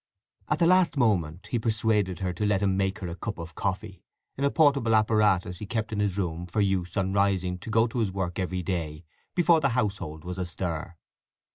At the last moment he persuaded her to let him make her a cup of coffee, in a portable apparatus he kept in his room for use on rising to go to his work every day before the household was astir.